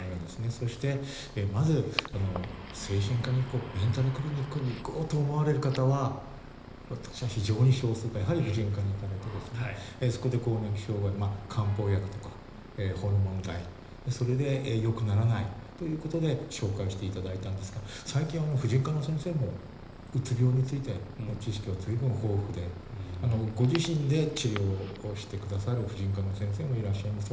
そして、まず精神科に行こうメンタルクリニックに行こうと思われる方は私は非常に少数婦人科に行かれてそこで更年期障害漢方薬とかホルモン剤それでよくならないということで紹介していただいたんですが最近は婦人科の先生もうつ病についての知識が随分豊富でご自身で治療してくださる婦人科の先生もいらっしゃいます。